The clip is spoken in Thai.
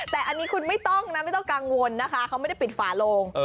แต่อันนี้คุณไม่ต้องนะไม่ต้องกังวลนะคะเขาไม่ได้ปิดฝาโลง